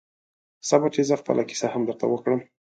صبر چې زه خپله کیسه هم درته وکړم